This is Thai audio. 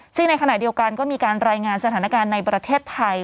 ซึ่งในขณะเดียวกันก็มีการรายงานสถานการณ์ในประเทศไทย